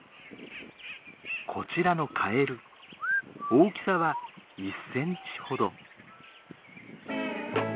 こちらのカエル大きさは１センチほど。